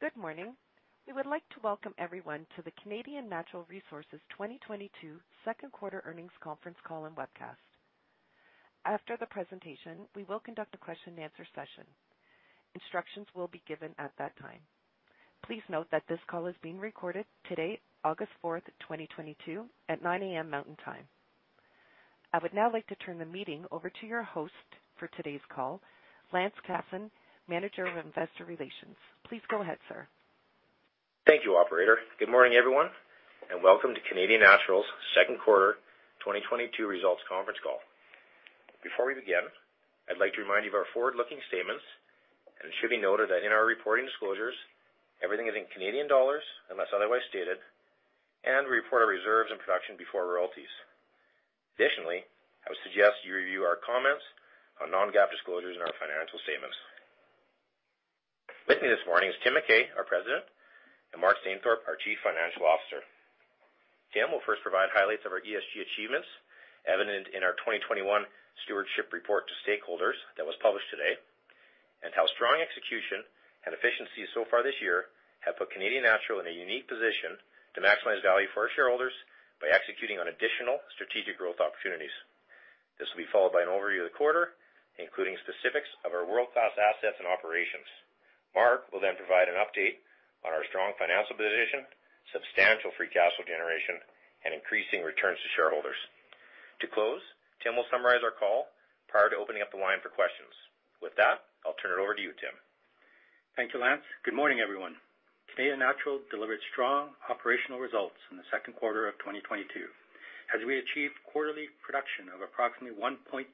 Good morning. We would like to welcome everyone to the Canadian Natural Resources 2022 second quarter earnings conference call and webcast. After the presentation, we will conduct a question-and-answer session. Instructions will be given at that time. Please note that this call is being recorded today, August 4th, 2022 at 9:00 A.M. Mountain Time. I would now like to turn the meeting over to your host for today's call, Lance Casson, Manager of Investor Relations. Please go ahead, sir. Thank you, operator. Good morning, everyone, and welcome to Canadian Natural's second quarter 2022 results conference call. Before we begin, I'd like to remind you of our forward-looking statements, and it should be noted that in our reporting disclosures, everything is in Canadian dollars unless otherwise stated, and we report our reserves and production before royalties. Additionally, I would suggest you review our comments on non-GAAP disclosures in our financial statements. With me this morning is Tim McKay, our President, and Mark Stainthorpe, our Chief Financial Officer. Tim will first provide highlights of our ESG achievements evident in our 2021 stewardship report to stakeholders that was published today, and how strong execution and efficiency so far this year have put Canadian Natural in a unique position to maximize value for our shareholders by executing on additional strategic growth opportunities. This will be followed by an overview of the quarter, including specifics of our world-class assets and operations. Mark will then provide an update on our strong financial position, substantial free cash flow generation, and increasing returns to shareholders. To close, Tim will summarize our call prior to opening up the line for questions. With that, I'll turn it over to you, Tim. Thank you, Lance. Good morning, everyone. Canadian Natural delivered strong operational results in the second quarter of 2022 as we achieved quarterly production of approximately 1.21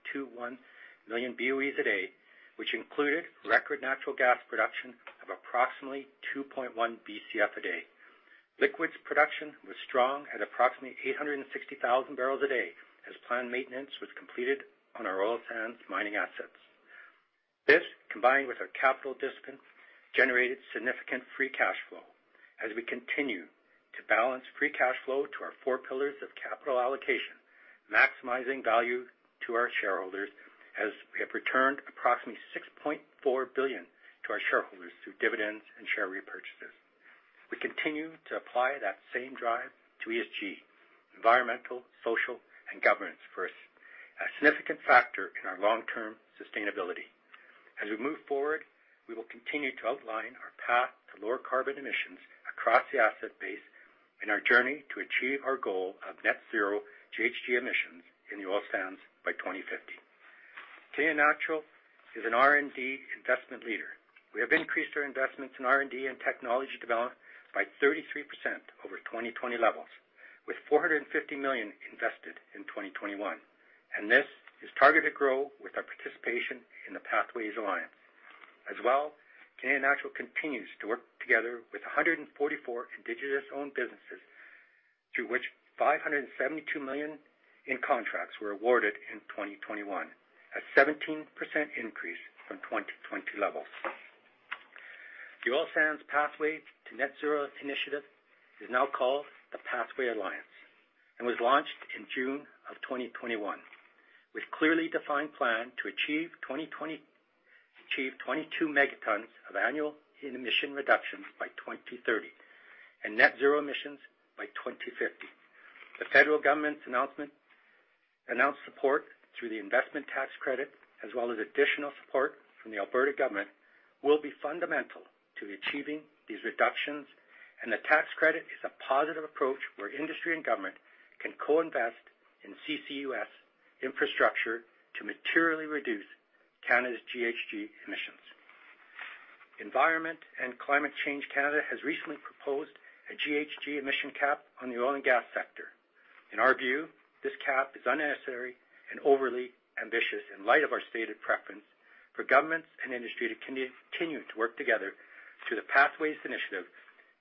million BOE a day, which included record natural gas production of approximately 2.1 BCF a day. Liquids production was strong at approximately 860,000 barrels a day as planned maintenance was completed on our oil sands mining assets. This, combined with our capital discipline, generated significant free cash flow as we continue to balance free cash flow to our four pillars of capital allocation, maximizing value to our shareholders, as we have returned approximately 6.4 billion to our shareholders through dividends and share repurchases. We continue to apply that same drive to ESG, environmental, social, and governance, a significant factor in our long-term sustainability. As we move forward, we will continue to outline our path to lower carbon emissions across the asset base in our journey to achieve our goal of net zero GHG emissions in the oil sands by 2050. Canadian Natural is an R&D investment leader. We have increased our investments in R&D and technology development by 33% over 2020 levels, with 450 million invested in 2021, and this is targeted to grow with our participation in the Pathways Alliance. As well, Canadian Natural continues to work together with 144 indigenous-owned businesses, to which 572 million in contracts were awarded in 2021, a 17% increase from 2020 levels. The Oil Sands Pathways to Net Zero initiative is now called the Pathways Alliance and was launched in June 2021 with a clearly defined plan to achieve 22 megatons of annual emission reductions by 2030 and net zero emissions by 2050. The federal government's announced support through the investment tax credit, as well as additional support from the Alberta government, will be fundamental to achieving these reductions, and the tax credit is a positive approach where industry and government can co-invest in CCUS infrastructure to materially reduce Canada's GHG emissions. Environment and Climate Change Canada has recently proposed a GHG emission cap on the oil and gas sector. In our view, this cap is unnecessary and overly ambitious in light of our stated preference for governments and industry to continue to work together through the Pathways initiative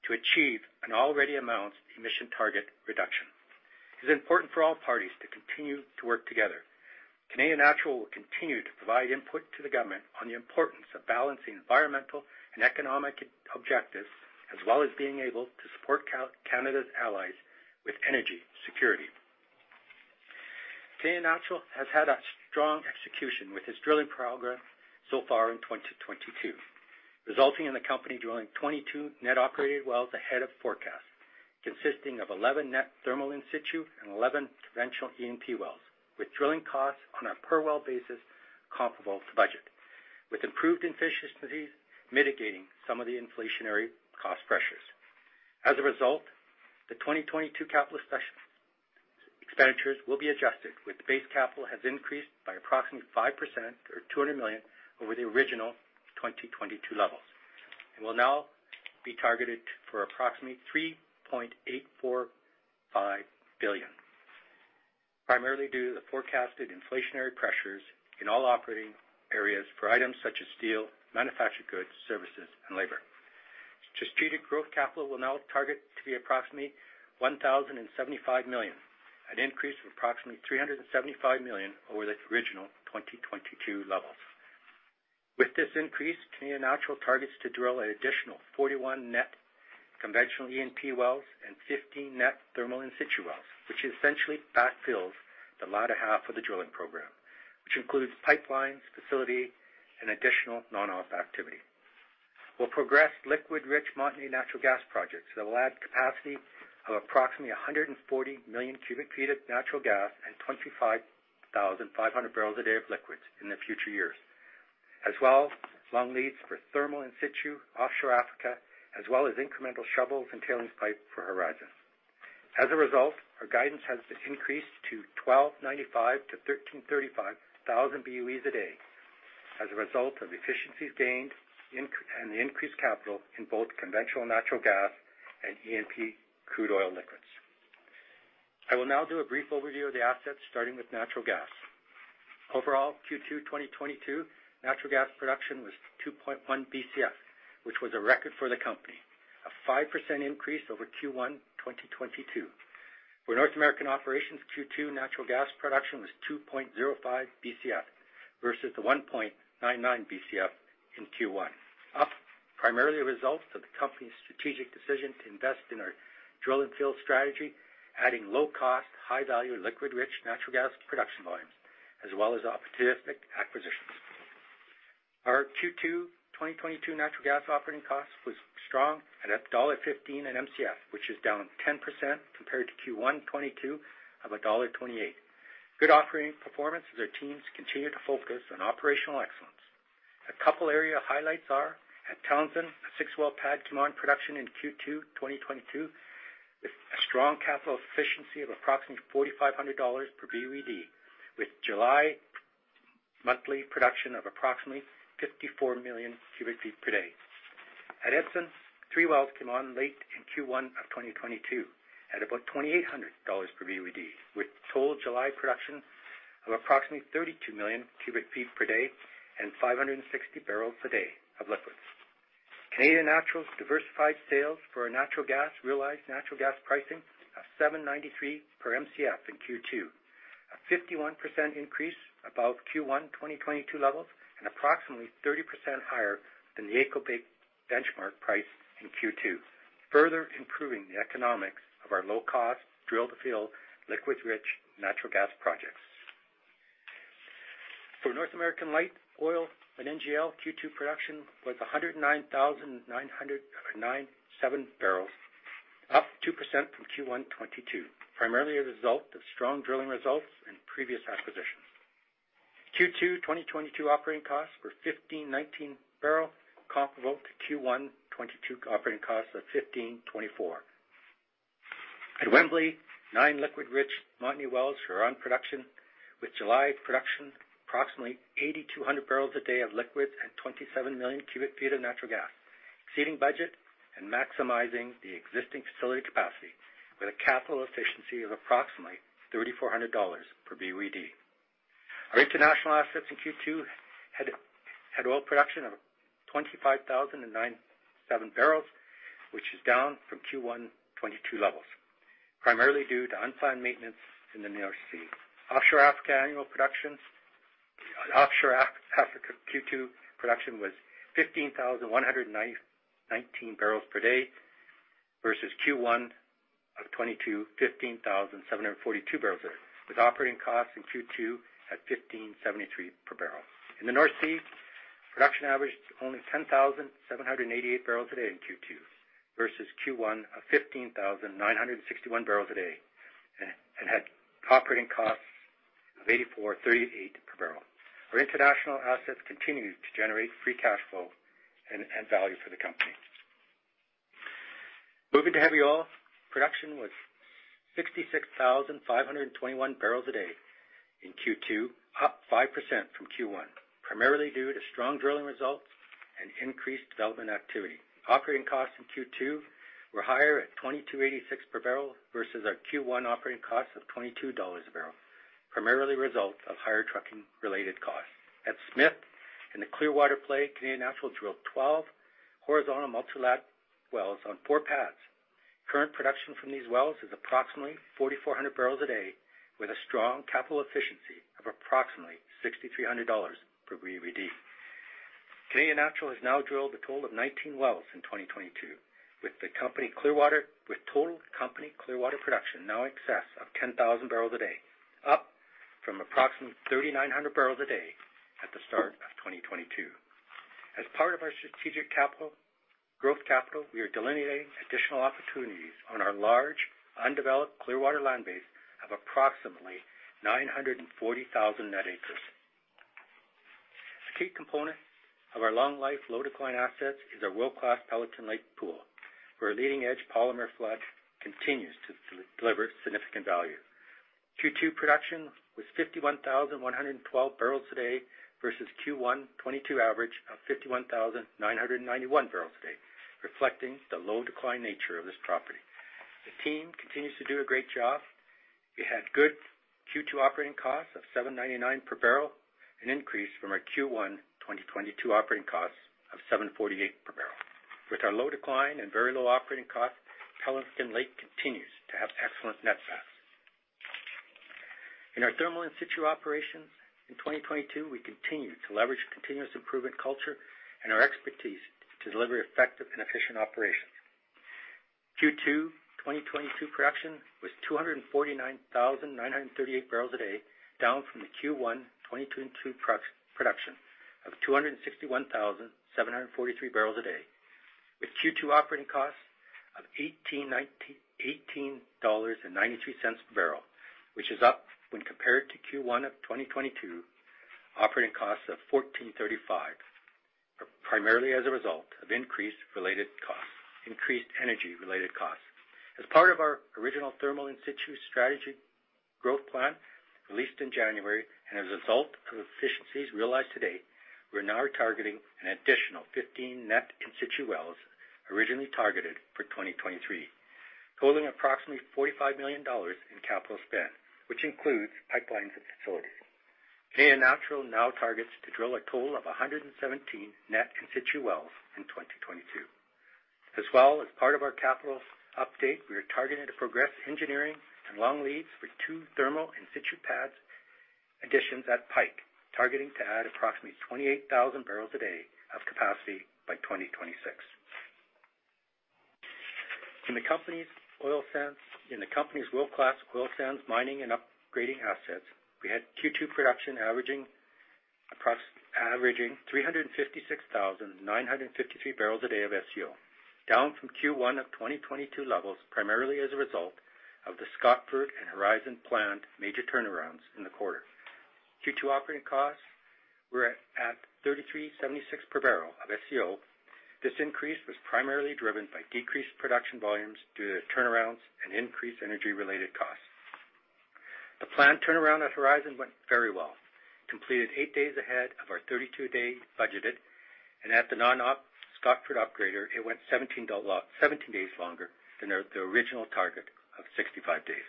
to achieve an already announced emission target reduction. It is important for all parties to continue to work together. Canadian Natural will continue to provide input to the government on the importance of balancing environmental and economic objectives, as well as being able to support Canada's allies with energy security. Canadian Natural has had a strong execution with its drilling progress so far in 2022, resulting in the company drilling 22 net operated wells ahead of forecast, consisting of 11 net thermal in situ and 11 conventional E&P wells, with drilling costs on a per-well basis comparable to budget, with improved efficiencies mitigating some of the inflationary cost pressures. As a result, the 2022 capital expenditures will be adjusted, with base capital increased by approximately 5% or 200 million over the original 2022 levels and will now be targeted for approximately 3.845 billion, primarily due to the forecasted inflationary pressures in all operating areas for items such as steel, manufactured goods, services, and labor. Strategic growth capital will now target to be approximately 1,075 million, an increase of approximately 375 million over the original 2022 levels. With this increase, Canadian Natural targets to drill an additional 41 net conventional E&P wells and 15 net thermal in situ wells, which essentially backfills the latter half of the drilling program, which includes pipelines, facility, and additional non-op activity. We'll progress liquid rich Montney natural gas projects that will add capacity of approximately 140 million cu ft of natural gas and 25,500 bbl a day of liquids in the future years. As well, long leads for thermal in situ, offshore Africa, as well as incremental shovels and tailings pipe for Horizon. As a result, our guidance has been increased to 1,295-1,335 thousand BOEs a day as a result of efficiencies gained and the increased capital in both conventional natural gas and E&P crude oil liquids. I will now do a brief overview of the assets, starting with natural gas. Overall, Q2 2022, natural gas production was 2.1 BCF, which was a record for the company. A 5% increase over Q1 2022. For North American operations, Q2 natural gas production was 2.05 BCF versus the 1.99 BCF in Q1. Up, primarily a result of the company's strategic decision to invest in our drill and fill strategy, adding low cost, high value, liquid rich natural gas production volumes, as well as opportunistic acquisitions. Our Q2 2022 natural gas operating cost was strong at CAD 1.15 an MCF, which is down 10% compared to Q1 2022 of CAD 1.28. Good operating performance as our teams continue to focus on operational excellence. A couple area highlights are at Townsend, a six-well pad came on production in Q2 2022, with a strong capital efficiency of approximately 4,500 dollars per BOED, with July monthly production of approximately 54 million cubic feet per day. At Edson, three wells came on late in Q1 of 2022 at about 2,800 dollars per BOED, with total July production of approximately 32 million cu ft per day and 560 bbl per day of liquids. Canadian Natural's diversified sales for our natural gas realized natural gas pricing of 7.93 per Mcf in Q2, a 51% increase above Q1 2022 levels, and approximately 30% higher than the AECO benchmark price in Q2, further improving the economics of our low-cost drill-to-fill liquids-rich natural gas projects. For North American light oil and NGL, Q2 production was 109,997 barrels, up 2% from Q1 2022. Primarily a result of strong drilling results and previous acquisitions. Q2 2022 operating costs were 15.19 per barrel, comparable to Q1 2022 operating costs of 15.24. At Wembley, nine liquid rich Montney wells are on production, with July production approximately 8,200 barrels a day of liquids and 27 million cu ft of natural gas, exceeding budget and maximizing the existing facility capacity with a capital efficiency of approximately 3,400 dollars per BOED. Our international assets in Q2 had oil production of 25,097 bbl, which is down from Q1 2022 levels, primarily due to unplanned maintenance in the North Sea. Offshore Africa Q2 production was 15,119 bbl per day versus Q1 2022 15,742 bbl a day, with operating costs in Q2 at 15.73 per barrel. In the North Sea, production averaged only 10,788 bbl a day in Q2 versus Q1 of 15,961 bbl a day and had operating costs of 84.38 per barrel. Our international assets continue to generate free cash flow and value for the company. Moving to heavy oil. Production was 66,521 bbl a day in Q2, up 5% from Q1, primarily due to strong drilling results and increased development activity. Operating costs in Q2 were higher at 22.86 per barrel versus our Q1 operating cost of 22 dollars a barrel, primarily a result of higher trucking related costs. At Smith, in the Clearwater play, Canadian Natural drilled 12 horizontal multi-lateral wells on four pads. Current production from these wells is approximately 4,400 bbl a day with a strong capital efficiency of approximately 6,300 dollars per BOED. Canadian Natural has now drilled a total of 19 wells in 2022 with total company Clearwater production now in excess of 10,000 bbl a day, up from approximately 3,900 bbl a day at the start of 2022. As part of our growth capital, we are delineating additional opportunities on our large undeveloped Clearwater land base of approximately 940,000 net acres. A key component of our long life, low decline assets is our world-class Pelican Lake pool, where a leading-edge polymer flood continues to deliver significant value. Q2 production was 51,112 bbl a day versus Q1 2022 average of 51,991 bbl a day, reflecting the low decline nature of this property. The team continues to do a great job. We had good Q2 operating costs of 7.99 per barrel, an increase from our Q1 2022 operating costs of 7.48 per barrel. With our low decline and very low operating cost, Pelican Lake continues to have excellent netbacks. In our thermal in-situ operations in 2022, we continued to leverage continuous improvement culture and our expertise to deliver effective and efficient operations. Q2 2022 production was 249,938 bbl a day, down from the Q1 2022 production of 261,743 bbl a day. With Q2 operating costs of 18.93 dollars per barrel, which is up when compared to Q1 of 2022 operating costs of 14.35, primarily as a result of increased energy-related costs. As part of our original thermal in-situ strategy growth plan released in January, and as a result of efficiencies realized to date, we're now targeting an additional 15 net in-situ wells originally targeted for 2023, totaling approximately 45 million dollars in capital spend, which includes pipelines and facilities. Canadian Natural now targets to drill a total of 117 net in-situ wells in 2022. As well as part of our capital update, we are targeting to progress engineering and long leads for two thermal in-situ pads additions at Pike, targeting to add approximately 28,000 bbl a day of capacity by 2026. In the company's world-class oil sands mining and upgrading assets, we had Q2 production averaging 356,953 bbl a day of SCO, down from Q1 of 2022 levels, primarily as a result of the Scotford and Horizon plant major turnarounds in the quarter. Q2 operating costs were at 33.76 per barrel of SCO. This increase was primarily driven by decreased production volumes due to the turnarounds and increased energy-related costs. The plant turnaround at Horizon went very well, completed eight days ahead of our 32-day budgeted. At the non-op Scotford upgrader, it went 17 days longer than the original target of 65 days.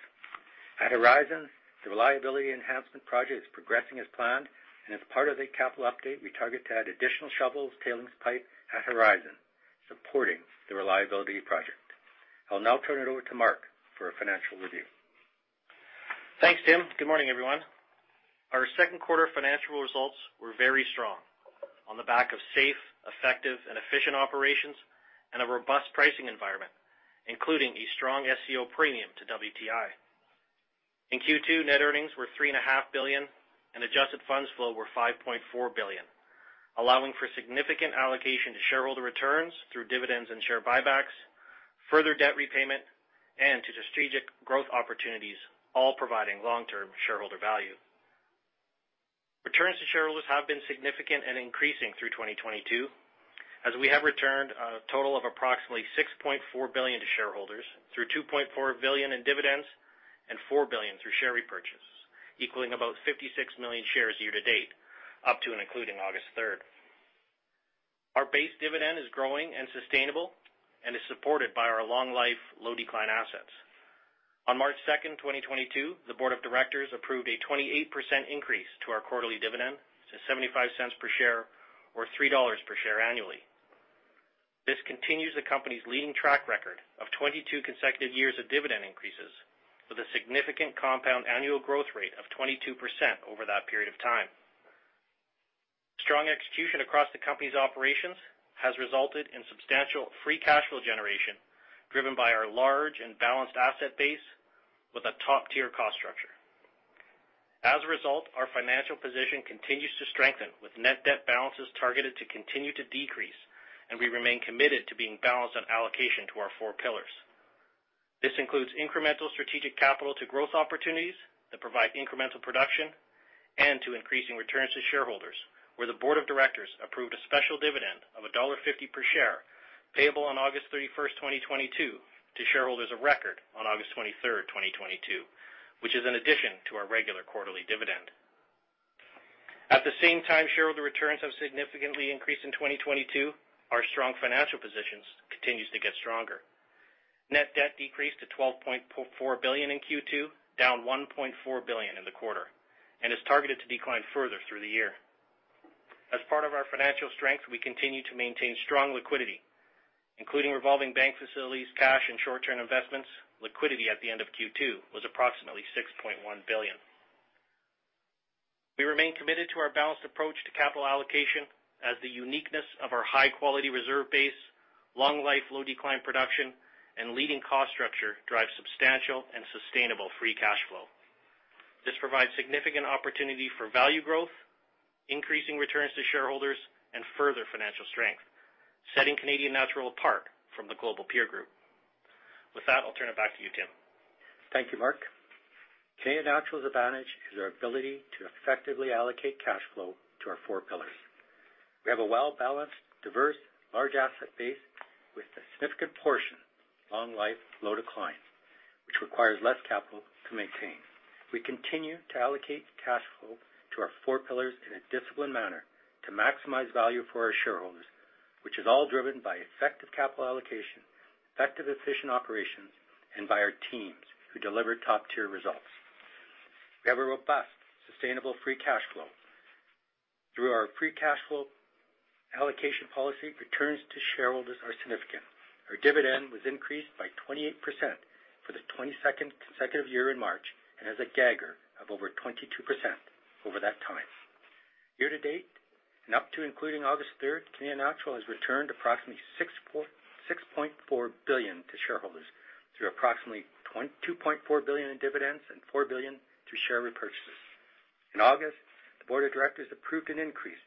At Horizon, the reliability enhancement project is progressing as planned. As part of the capital update, we target to add additional shovels, tailings pipe at Horizon, supporting the reliability project. I'll now turn it over to Mark for a financial review. Thanks, Tim. Good morning, everyone. Our second quarter financial results were very strong on the back of safe, effective, and efficient operations and a robust pricing environment, including a strong SCO premium to WTI. In Q2, net earnings were 3.5 billion and adjusted funds flow were 5.4 billion, allowing for significant allocation to shareholder returns through dividends and share buybacks, further debt repayment, and to strategic growth opportunities, all providing long-term shareholder value. Returns to shareholders have been significant and increasing through 2022, as we have returned a total of approximately 6.4 billion to shareholders through 2.4 billion in dividends and 4 billion through share repurchase, equaling about 56 million shares year to date, up to and including August 3rd. Our base dividend is growing and sustainable and is supported by our long life, low-decline assets. On March 2nd, 2022, the board of directors approved a 28% increase to our quarterly dividend to 0.75 per share or 3 dollars per share annually. This continues the company's leading track record of 22 consecutive years of dividend increases with a significant compound annual growth rate of 22% over that period of time. Strong execution across the company's operations has resulted in substantial free cash flow generation, driven by our large and balanced asset base with a top-tier cost structure. As a result, our financial position continues to strengthen with net debt balances targeted to continue to decrease, and we remain committed to being balanced on allocation to our four pillars. This includes incremental strategic capital to growth opportunities that provide incremental production and to increasing returns to shareholders, where the board of directors approved a special dividend of dollar 1.50 per share payable on August 31st, 2022 to shareholders of record on August 23rd, 2022, which is an addition to our regular quarterly dividend. At the same time, shareholder returns have significantly increased in 2022. Our strong financial position continues to get stronger. Net debt decreased to 12.4 billion in Q2, down 1.4 billion in the quarter, and is targeted to decline further through the year. As part of our financial strength, we continue to maintain strong liquidity, including revolving bank facilities, cash, and short-term investments. Liquidity at the end of Q2 was approximately 6.1 billion. We remain committed to our balanced approach to capital allocation as the uniqueness of our high-quality reserve base, long life, low decline production, and leading cost structure drive substantial and sustainable free cash flow. This provides significant opportunity for value growth, increasing returns to shareholders, and further financial strength, setting Canadian Natural apart from the global peer group. With that, I'll turn it back to you, Tim. Thank you, Mark. Canadian Natural's advantage is our ability to effectively allocate cash flow to our four pillars. We have a well-balanced, diverse, large asset base with a significant portion, long life, low decline, which requires less capital to maintain. We continue to allocate cash flow to our four pillars in a disciplined manner to maximize value for our shareholders, which is all driven by effective capital allocation, effective, efficient operations, and by our teams who deliver top-tier results. We have a robust, sustainable free cash flow. Through our free cash flow allocation policy, returns to shareholders are significant. Our dividend was increased by 28% for the 22nd consecutive year in March and has a CAGR of over 22% over that time. Year to date and up to including August 3rd, Canadian Natural has returned approximately 6.4 billion to shareholders through approximately 22.4 billion in dividends and 4 billion through share repurchases. In August, the board of directors approved an increase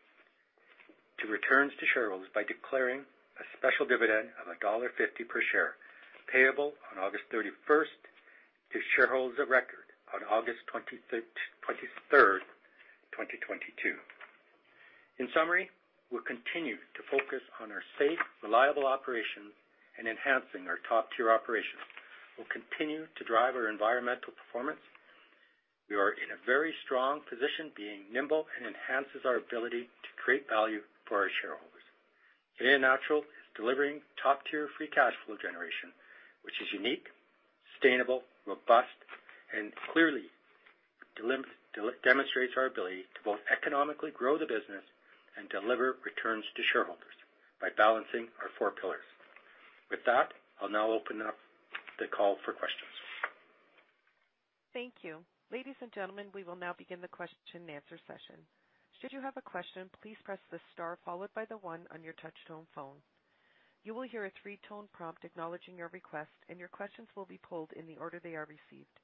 to returns to shareholders by declaring a special dividend of dollar 1.50 per share, payable on August 31st, to shareholders of record on August 23rd, 2022. In summary, we'll continue to focus on our safe, reliable operations and enhancing our top-tier operations. We'll continue to drive our environmental performance. We are in a very strong position, being nimble and enhances our ability to create value for our shareholders. Canadian Natural is delivering top-tier free cash flow generation, which is unique, sustainable, robust, and clearly demonstrates our ability to both economically grow the business and deliver returns to shareholders by balancing our four pillars. With that, I'll now open up the call for questions. Thank you. Ladies and gentlemen, we will now begin the question-and-answer session. Should you have a question, please press the star followed by the one on your touchtone phone. You will hear a three-tone prompt acknowledging your request, and your questions will be polled in the order they are received.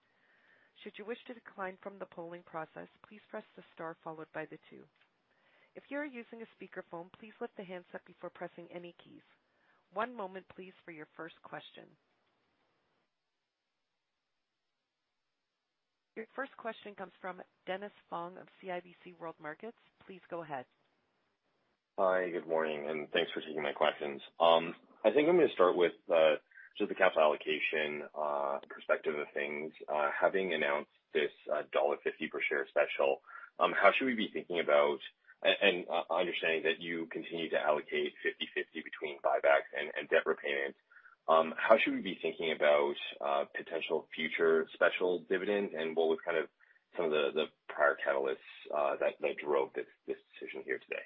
Should you wish to decline from the polling process, please press the star followed by the two. If you are using a speakerphone, please lift the handset before pressing any keys. One moment please for your first question. Your first question comes from Dennis Fong of CIBC World Markets. Please go ahead. Hi, good morning, and thanks for taking my questions. I think I'm gonna start with just the capital allocation perspective of things. Having announced this dollar 1.50 per share special, how should we be thinking about, and understanding that you continue to allocate 50/50 between buybacks and debt repayments, how should we be thinking about potential future special dividend and what was kind of some of the prior catalysts that drove this decision here today?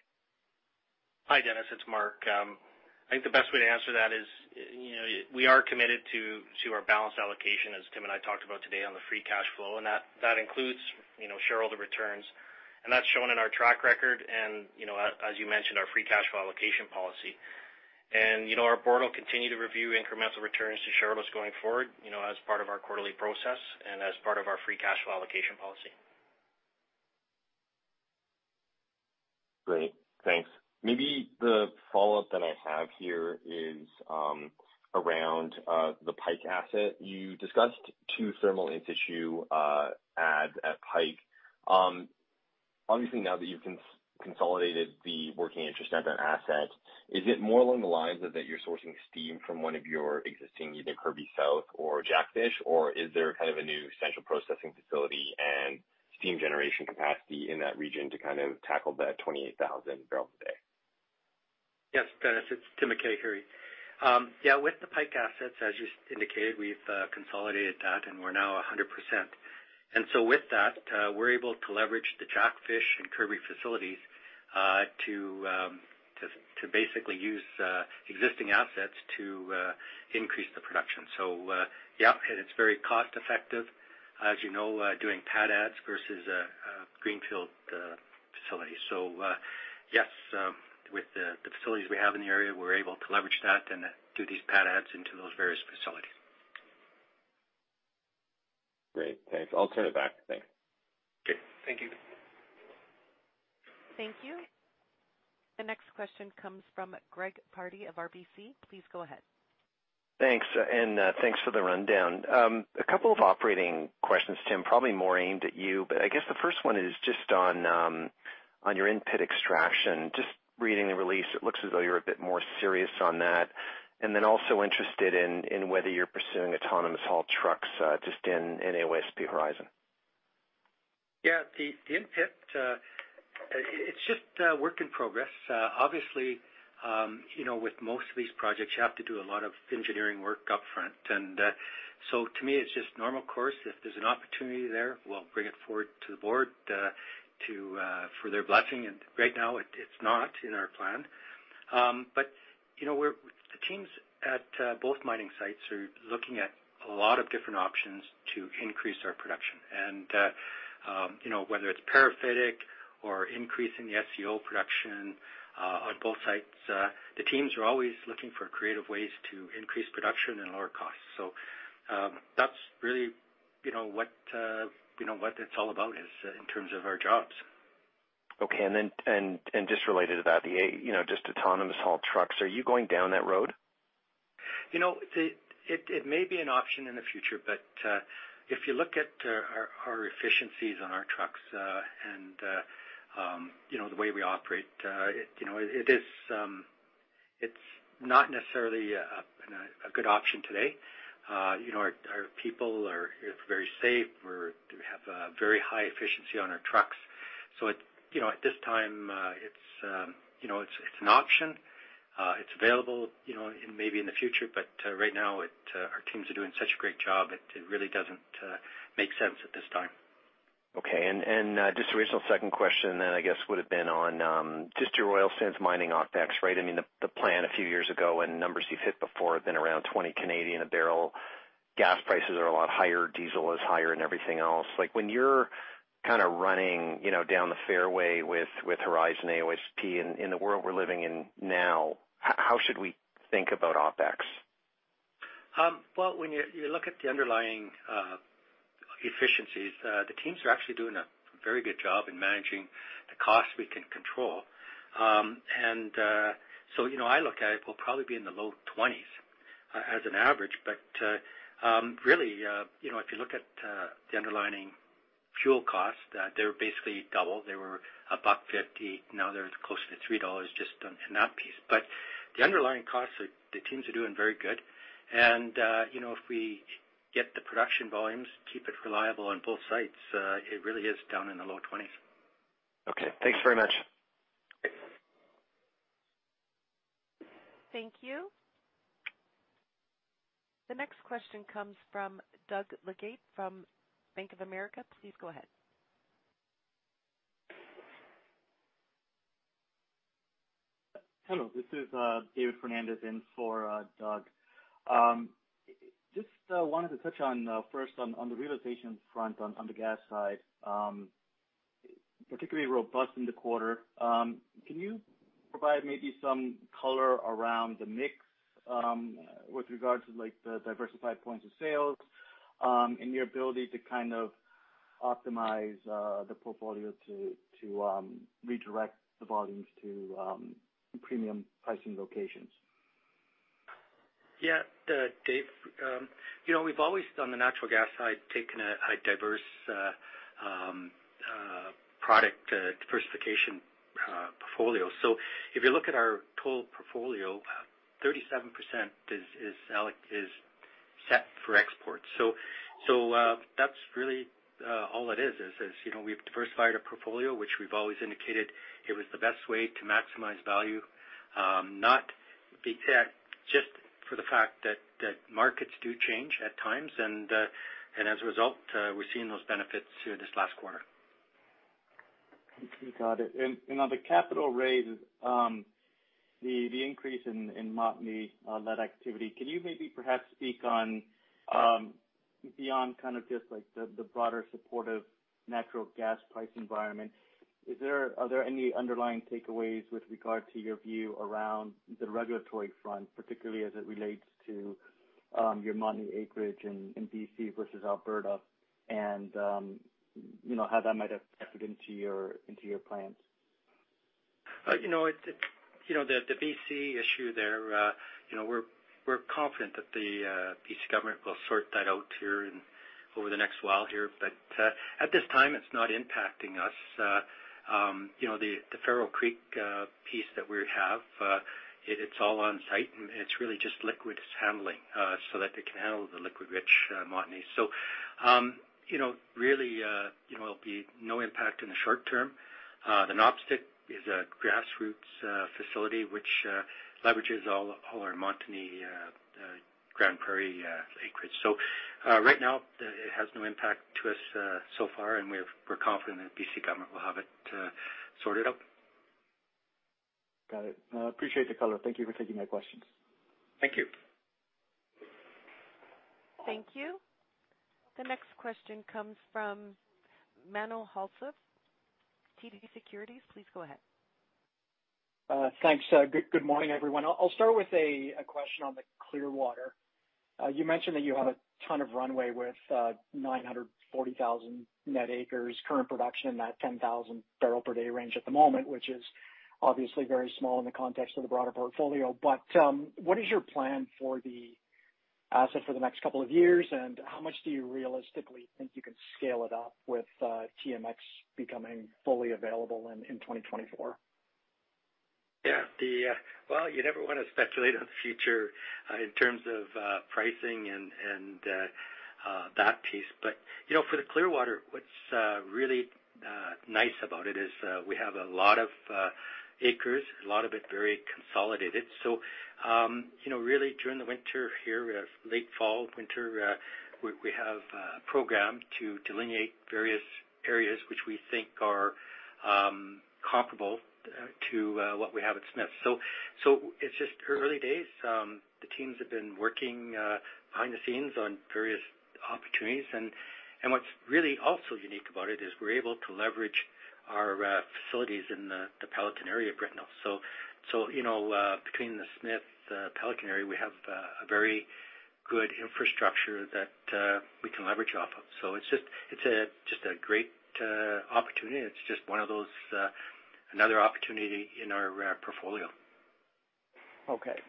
Hi, Dennis. It's Mark. I think the best way to answer that is, you know, we are committed to our balanced allocation, as Tim and I talked about today, on the free cash flow, and that includes, you know, shareholder returns. That's shown in our track record and, you know, as you mentioned, our free cash flow allocation policy. Our board will continue to review incremental returns to shareholders going forward, you know, as part of our quarterly process and as part of our free cash flow allocation policy. Great. Thanks. Maybe the follow-up that I have here is around the Pike asset. You discussed two thermal in-situ adds at Pike. Obviously now that you've consolidated the working interest at that asset, is it more along the lines of that you're sourcing steam from one of your existing, either Kirby South or Jackfish, or is there kind of a new central processing facility and steam generation capacity in that region to kind of tackle that 28,000 bbl a day? Yes, Dennis. It's Tim McKay here. Yeah, with the Pike assets, as you indicated, we've consolidated that, and we're now 100%. With that, we're able to leverage the Jackfish and Kirby facilities to basically use existing assets to increase the production. Yeah, and it's very cost effective, as you know, doing pad adds versus greenfield facilities. Yes, with the facilities we have in the area, we're able to leverage that and do these pad adds into those various facilities. Great. Thanks. I'll turn it back. Thanks. Okay. Thank you. Thank you. The next question comes from Greg Pardy of RBC. Please go ahead. Thanks, and thanks for the rundown. A couple of operating questions, Tim, probably more aimed at you. I guess the first one is just on your in-pit extraction. Just reading the release, it looks as though you're a bit more serious on that. Then also interested in whether you're pursuing autonomous haul trucks, just in AOSP Horizon. Yeah. The in-pit, it's just a work in progress. Obviously, you know, with most of these projects, you have to do a lot of engineering work up front. To me, it's just normal course. If there's an opportunity there, we'll bring it forward to the board for their blessing. Right now it's not in our plan. You know, we're. The teams at both mining sites are looking at a lot of different options to increase our production. You know, whether it's parasitic or increasing the SCO production on both sites, the teams are always looking for creative ways to increase production and lower costs. That's really, you know, what you know, what it's all about is in terms of our jobs. Okay, just related to that, you know, just autonomous haul trucks, are you going down that road? You know, it may be an option in the future, but if you look at our efficiencies on our trucks and, you know, the way we operate, you know, it's not necessarily a good option today. You know, our people are very safe. We have a very high efficiency on our trucks, you know, at this time. It's an option. It's available, you know, maybe in the future, but right now, our teams are doing such a great job. It really doesn't make sense at this time. Just the original second question then I guess would've been on just your oil sands mining OpEx, right? I mean, the plan a few years ago and numbers you've hit before have been around 20 a barrel. Gas prices are a lot higher, diesel is higher, and everything else. Like, when you're kinda running, you know, down the fairway with Horizon AOSP in the world we're living in now, how should we think about OpEx? Well, when you look at the underlying efficiencies, the teams are actually doing a very good job in managing the costs we can control. You know, I look at it, we'll probably be in the low 20s as an average. Really, you know, if you look at the underlying fuel costs, they're basically double. They were $1.50, now they're close to $3 just on in that piece. The underlying costs are. The teams are doing very good. You know, if we get the production volumes keep it reliable on both sites, it really is down in the low 20s. Okay. Thanks very much. Thanks. Thank you. The next question comes from Doug Leggate from Bank of America. Please go ahead. Hello, this is David Fernandez in for Doug. Just wanted to touch on first on the realization front on the gas side, particularly robust in the quarter. Can you provide maybe some color around the mix with regards to like the diversified points of sales, and your ability to kind of optimize the portfolio to redirect the volumes to premium pricing locations? Yeah. Dave, you know, we've always, on the natural gas side, taken a diverse product diversification portfolio. So if you look at our total portfolio, 37% is set for export. So that's really all it is, you know, we've diversified our portfolio, which we've always indicated it was the best way to maximize value, not just for the fact that markets do change at times. As a result, we're seeing those benefits here this last quarter. Got it. On the capital raise, the increase in Montney that activity, can you maybe perhaps speak on beyond kind of just like the broader support of natural gas price environment? Are there any underlying takeaways with regard to your view around the regulatory front, particularly as it relates to your Montney acreage in BC versus Alberta, and you know, how that might have factored into your plans? You know, the BC issue there, you know, we're confident that the BC government will sort that out here in over the next while here. At this time, it's not impacting us. You know, the Farrell Creek piece that we have, it's all on site and it's really just liquids handling, so that it can handle the liquid rich Montney. You know, really, it'll be no impact in the short term. The Nepstic is a grassroots facility which leverages all our Montney Grande Prairie acreage. Right now, it has no impact to us so far, and we're confident that BC government will have it sorted out. Got it. No, I appreciate the color. Thank you for taking my questions. Thank you. Thank you. The next question comes from Menno Hulshof, TD Securities. Please go ahead. Thanks. Good morning, everyone. I'll start with a question on the Clearwater. You mentioned that you have a ton of runway with 940,000 net acres, current production in that 10,000 bbl per day range at the moment, which is obviously very small in the context of the broader portfolio. What is your plan for the asset for the next couple of years, and how much do you realistically think you can scale it up with TMX becoming fully available in 2024? Well, you never wanna speculate on the future in terms of pricing and that piece. You know, for the Clearwater, what's really nice about it is we have a lot of acres, a lot of it very consolidated. You know, really during the winter here, late fall, winter, we have programmed to delineate various areas which we think are comparable to what we have at Smith. It's just early days. The teams have been working behind the scenes on various opportunities. What's really also unique about it is we're able to leverage our facilities in the Pelican area of Britnell. You know, between the Smith-Pelican area, we have a very good infrastructure that we can leverage off of. It's just a great opportunity. It's just one of those, another opportunity in our portfolio. Okay.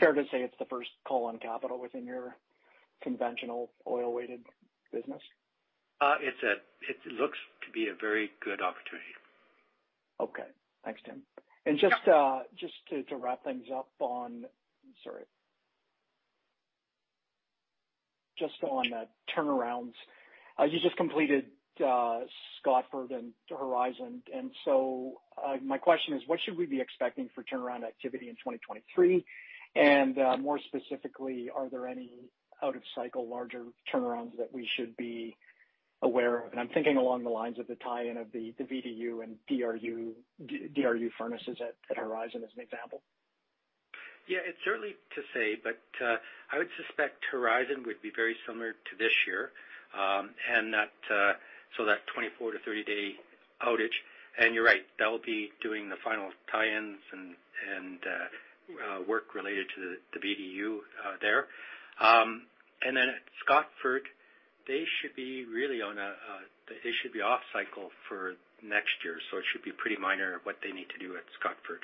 Fair to say it's the first call on capital within your conventional oil-weighted business? It looks to be a very good opportunity. Okay. Thanks, Tim. Just on the turnarounds. You just completed Scotford and Horizon. My question is what should we be expecting for turnaround activity in 2023? More specifically, are there any out of cycle larger turnarounds that we should be aware of? I'm thinking along the lines of the tie-in of the VDU and DRU, DDRU furnaces at Horizon as an example. Yeah, it's early to say, but I would suspect Horizon would be very similar to this year, and that 24- to 30-day outage. You're right, that'll be doing the final tie-ins and work related to the VDU there. Then at Scotford, they should be off cycle for next year, so it should be pretty minor what they need to do at Scotford.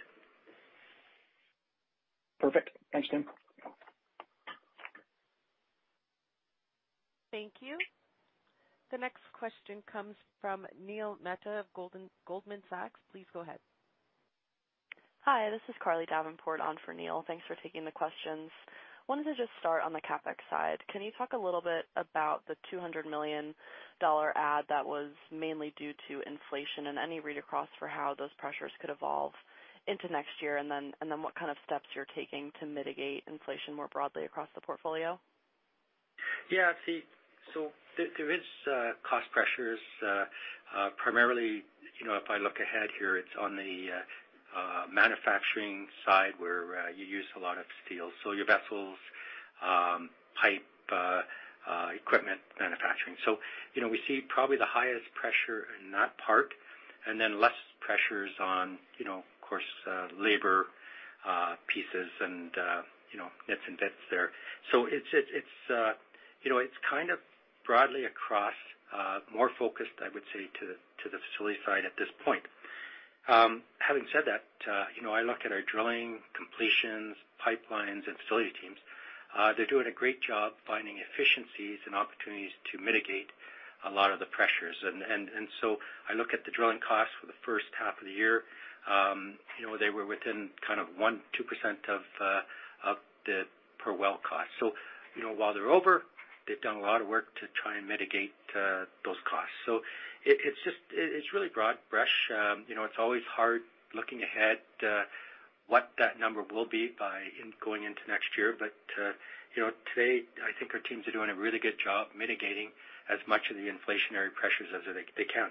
Perfect. Thanks, Tim. Thank you. The next question comes from Neil Mehta of Goldman Sachs. Please go ahead. Hi, this is Carly Davenport on for Neil. Thanks for taking the questions. Wanted to just start on the CapEx side. Can you talk a little bit about the 200 million dollar add that was mainly due to inflation and any read across for how those pressures could evolve into next year? Then what kind of steps you're taking to mitigate inflation more broadly across the portfolio? Yeah. See, there is cost pressures primarily, you know, if I look ahead here, it's on the manufacturing side where you use a lot of steel. Your vessels, pipe, equipment manufacturing. You know, we see probably the highest pressure in that part and then less pressures on, you know, of course, labor, pieces and, you know, bits and that's there. It's kind of broadly across, more focused, I would say to the facility side at this point. Having said that, you know, I look at our drilling completions, pipelines and facility teams. They're doing a great job finding efficiencies and opportunities to mitigate a lot of the pressures. I look at the drilling costs for the first half of the year. You know, they were within kind of 1%-2% of the per well cost. You know, while they're over, they've done a lot of work to try and mitigate those costs. It's just really broad brush. You know, it's always hard looking ahead what that number will be by in going into next year. You know, today I think our teams are doing a really good job mitigating as much of the inflationary pressures as they can.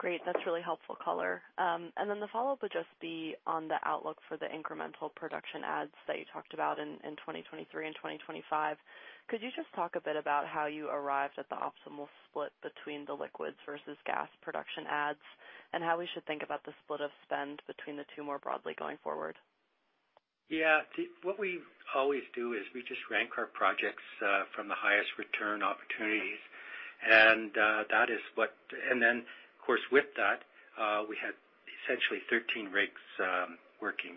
Great. That's really helpful color. The follow-up would just be on the outlook for the incremental production adds that you talked about in 2023 and 2025. Could you just talk a bit about how you arrived at the optimal split between the liquids versus gas production adds, and how we should think about the split of spend between the two more broadly going forward? Yeah. What we always do is we just rank our projects from the highest return opportunities. We had essentially 13 rigs working.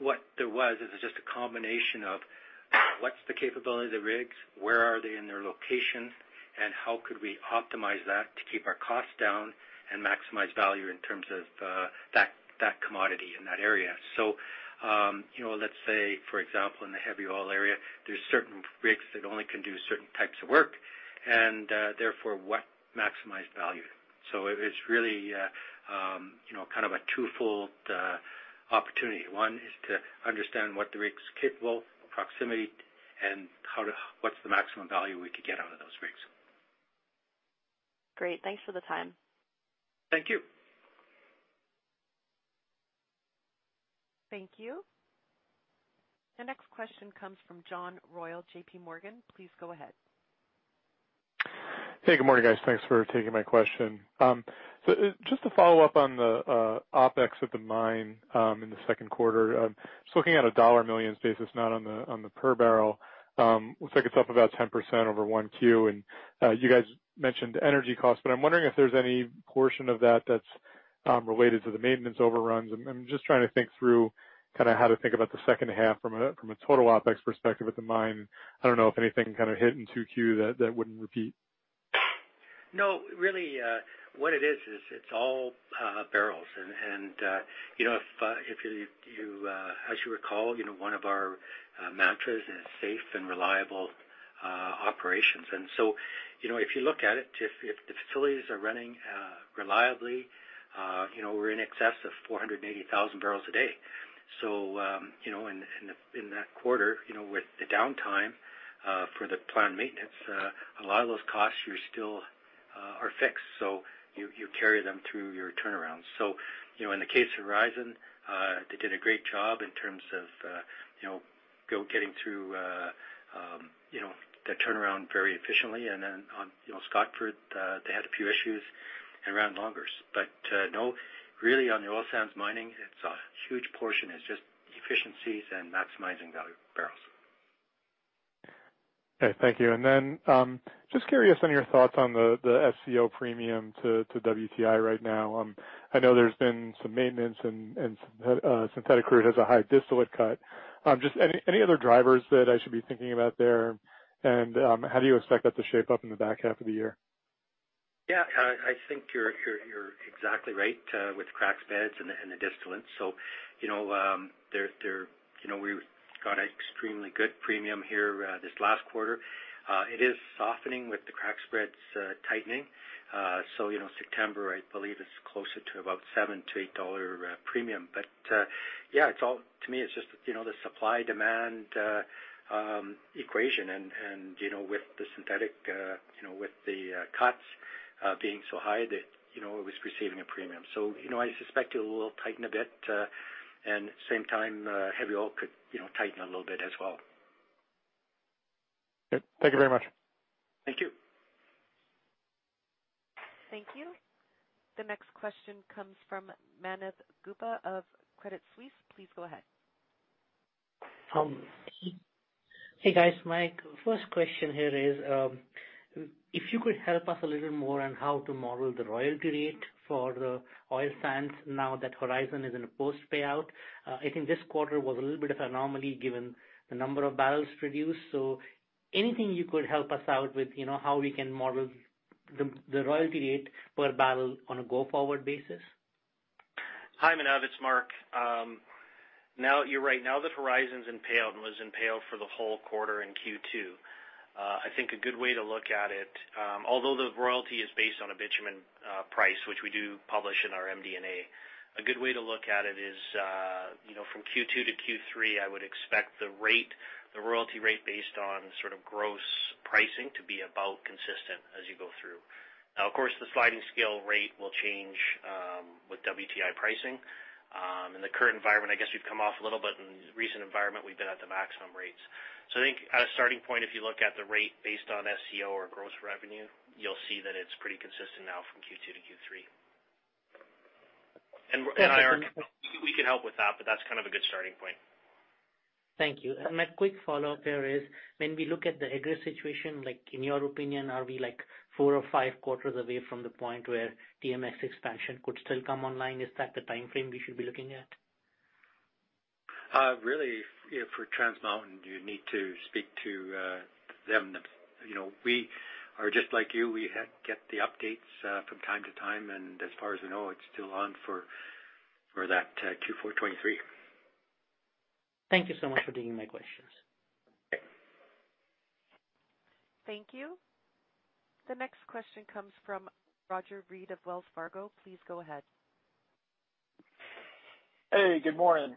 What there was is just a combination of what's the capability of the rigs, where are they in their locations, and how could we optimize that to keep our costs down and maximize value in terms of that commodity in that area. You know, let's say for example, in the heavy oil area, there's certain rigs that only can do certain types of work and therefore what maximize value. It's really you know, kind of a twofold opportunity. One is to understand what the rig's capable of proximity and what's the maximum value we could get out of those rigs. Great. Thanks for the time. Thank you. Thank you. The next question comes from John Royall, JPMorgan. Please go ahead. Hey, good morning, guys. Thanks for taking my question. So, just to follow up on the OpEx at the mine in the second quarter. Just looking at a $ million basis, not on the per barrel. Looks like it's up about 10% over 1Q, and you guys mentioned energy costs, but I'm wondering if there's any portion of that that's related to the maintenance overruns. I'm just trying to think through kind of how to think about the second half from a total OpEx perspective at the mine. I don't know if anything kind of hit in 2Q that wouldn't repeat. No, really, what it is it's all barrels and you know, if you, as you recall, you know, one of our mantras is safe and reliable operations. You know, if you look at it, if the facilities are running reliably, you know, we're in excess of 480,000 bbl a day. You know, in that quarter, you know, with the downtime for the planned maintenance, a lot of those costs are fixed, so you carry them through your turnarounds. You know, in the case of Horizon, they did a great job in terms of you know, getting through the turnaround very efficiently. Then on, you know, Scotford, they had a few issues and ran longer. No, really on the oil sands mining, it's a huge portion. It's just efficiencies and maximizing value barrels. Okay. Thank you. Then, just curious on your thoughts on the SCO premium to WTI right now. I know there's been some maintenance and synthetic crude has a high distillate cut. Just any other drivers that I should be thinking about there? How do you expect that to shape up in the back half of the year? Yeah, I think you're exactly right with crack spreads and the distillates. You know, they're you know we've got an extremely good premium here this last quarter. It is softening with the crack spreads tightening. You know, September, I believe, is closer to about $7-$8 premium. Yeah, it's all to me. It's just you know the supply-demand equation. You know, with the synthetic you know with the cuts being so high that you know it was receiving a premium. You know, I suspect it will tighten a bit and at the same time heavy oil could you know tighten a little bit as well. Okay. Thank you very much. Thank you. Thank you. The next question comes from Manav Gupta of Credit Suisse. Please go ahead. Hey guys. My first question here is, if you could help us a little more on how to model the royalty rate for the oil sands now that Horizon is in a post payout. I think this quarter was a little bit of anomaly given the number of barrels produced. Anything you could help us out with, you know, how we can model the royalty rate per barrel on a go-forward basis? Hi, Manav. It's Mark. Now you're right. Now that Horizon's in payout and was in payout for the whole quarter in Q2, I think a good way to look at it, although the royalty is based on a bitumen price, which we do publish in our MD&A, a good way to look at it is, you know, from Q2 to Q3, I would expect the rate, the royalty rate based on sort of gross pricing to be about consistent as you go through. Now, of course, the sliding scale rate will change with WTI pricing. In the current environment, I guess we've come off a little bit. In recent environment, we've been at the maximum rates. I think as a starting point, if you look at the rate based on SCO or gross revenue, you'll see that it's pretty consistent now from Q2 to Q3. IR, we can help with that, but that's kind of a good starting point. Thank you. My quick follow-up there is when we look at the egress situation, like in your opinion, are we like four or five quarters away from the point where TMX expansion could still come online? Is that the timeframe we should be looking at? Really for Trans Mountain, you need to speak to them. You know, we are just like you. We get the updates from time to time, and as far as I know, it's still on for that Q4 2023. Thank you so much for taking my questions. Okay. Thank you. The next question comes from Roger Read of Wells Fargo. Please go ahead. Hey, good morning. Morning. Morning.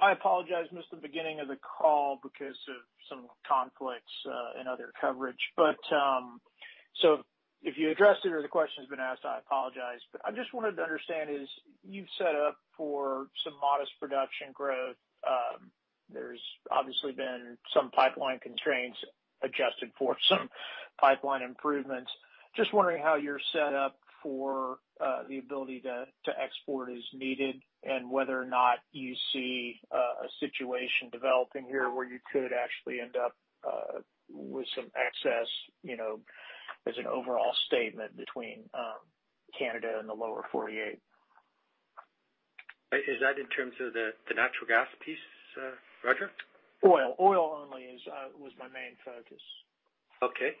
I apologize. I missed the beginning of the call because of some conflicts in other coverage. If you addressed it or the question's been asked, I apologize. I just wanted to understand if you've set up for some modest production growth. There's obviously been some pipeline constraints adjusted for some pipeline improvements. I'm just wondering how you're set up for the ability to export as needed, and whether or not you see a situation developing here where you could actually end up with some excess, you know, as an overall statement between Canada and the lower forty-eight. Is that in terms of the natural gas piece, Roger? Oil only was my main focus. Okay.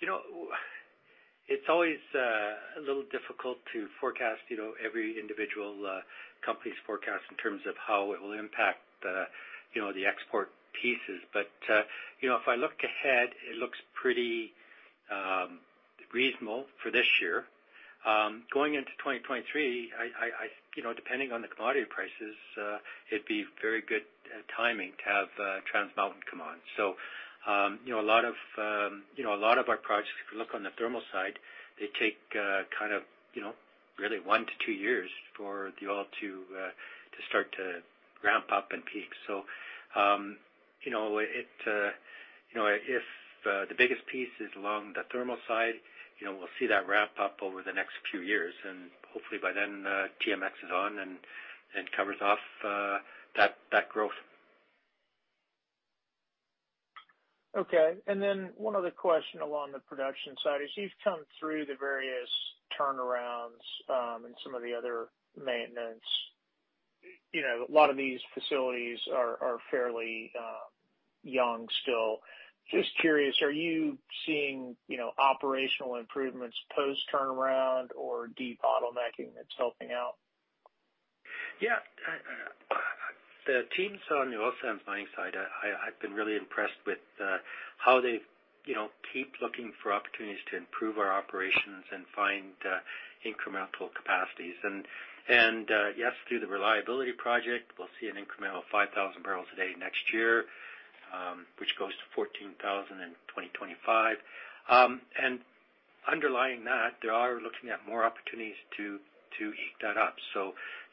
You know, it's always a little difficult to forecast every individual company's forecast in terms of how it will impact you know the export pieces. If I look ahead, it looks pretty reasonable for this year. Going into 2023, I you know depending on the commodity prices it'd be very good timing to have Trans Mountain come on. You know a lot of you know a lot of our projects, if you look on the thermal side, they take kind of you know really one to two years for the oil to start to ramp up and peak. You know, the biggest piece is along the thermal side, you know, we'll see that ramp up over the next few years. Hopefully by then, TMX is on and covers off that growth. Okay. One other question along the production side is you've come through the various turnarounds, and some of the other maintenance. You know, a lot of these facilities are fairly young still. Just curious, are you seeing, you know, operational improvements post-turnaround or debottlenecking that's helping out? Yeah. The teams on the oil sands mining side, I've been really impressed with how they, you know, keep looking for opportunities to improve our operations and find incremental capacities. Yes, through the reliability project, we'll see an incremental 5,000 bbl a day next year, which goes to 14,000 in 2025. Underlying that, they are looking at more opportunities to eke that out.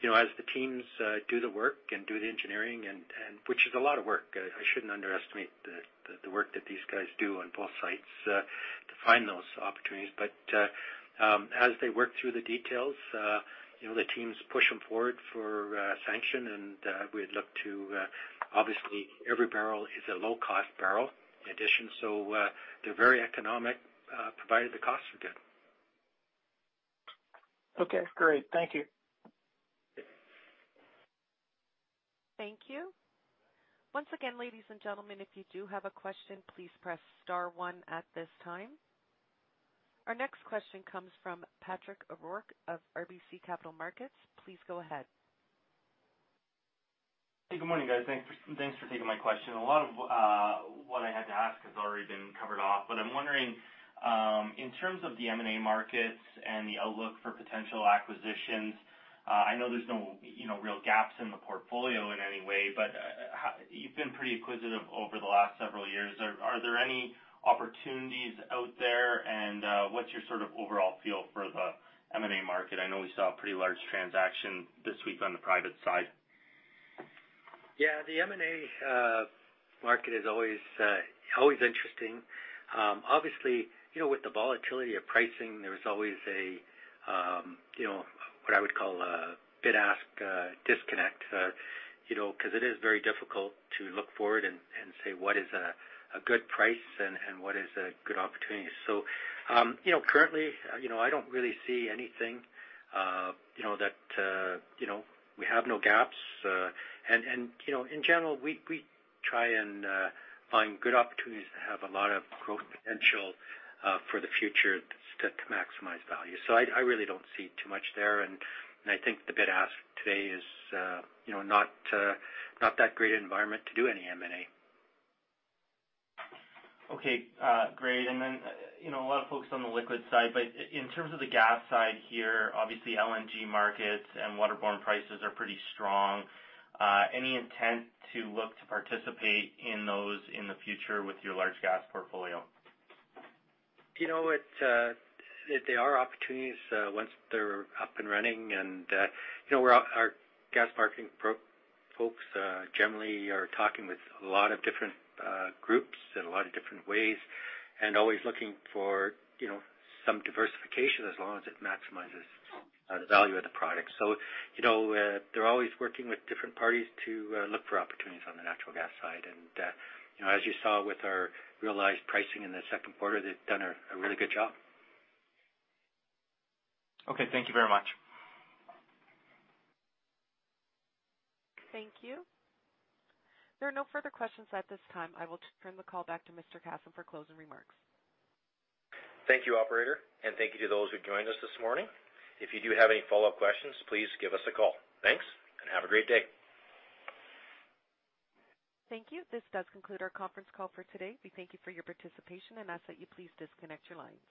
You know, as the teams do the work and do the engineering and which is a lot of work, I shouldn't underestimate the work that these guys do on both sites to find those opportunities. As they work through the details, you know, the teams push them forward for sanction. We'd look to obviously every barrel is a low-cost barrel addition, so they're very economic, provided the costs are good. Okay, great. Thank you. Thank you. Once again, ladies and gentlemen, if you do have a question, please press star one at this time. Our next question comes from Patrick O'Rourke of ATB Capital Markets. Please go ahead. Hey, good morning, guys. Thanks for taking my question. A lot of what I had to ask has already been covered off, but I'm wondering in terms of the M&A markets and the outlook for potential acquisitions. I know there's no, you know, real gaps in the portfolio in any way, but you've been pretty acquisitive over the last several years. Are there any opportunities out there? And what's your sort of overall feel for the M&A market? I know we saw a pretty large transaction this week on the private side. Yeah, the M&A market is always interesting. Obviously, you know, with the volatility of pricing, there is always, you know, what I would call a bid-ask disconnect, you know, 'cause it is very difficult to look forward and say what is a good price and what is a good opportunity. You know, currently, you know, I don't really see anything, you know, that you know we have no gaps. You know, in general, we try and find good opportunities that have a lot of growth potential for the future to maximize value. I really don't see too much there. I think the bid-ask today is you know not that great environment to do any M&A. Okay, great. You know, a lot of folks on the liquid side, but in terms of the gas side here, obviously LNG markets and waterborne prices are pretty strong. Any intent to look to participate in those in the future with your large gas portfolio? You know, there are opportunities once they're up and running and, you know, our gas marketing folks generally are talking with a lot of different groups in a lot of different ways and always looking for, you know, some diversification as long as it maximizes the value of the product. You know, they're always working with different parties to look for opportunities on the natural gas side. You know, as you saw with our realized pricing in the second quarter, they've done a really good job. Okay. Thank you very much. Thank you. There are no further questions at this time. I will turn the call back to Mr. Casson for closing remarks. Thank you, operator. Thank you to those who joined us this morning. If you do have any follow-up questions, please give us a call. Thanks, and have a great day. Thank you. This does conclude our conference call for today. We thank you for your participation and ask that you please disconnect your lines.